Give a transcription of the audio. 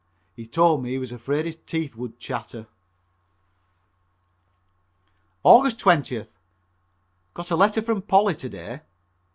He told me he was afraid his teeth would chatter. Aug. 20th. Got a letter from Polly to day.